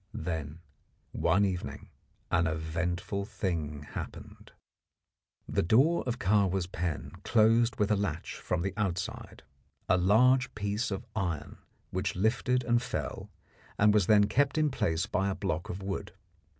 Then one evening an eventful thing happened. The door of Kahwa's pen closed with a latch from the outside a large piece of iron which lifted and fell, and was then kept in place by a block of wood.